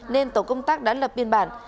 nên tổ công tác đã lập biên bản